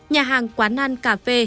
nhà hàng quán ăn cà phê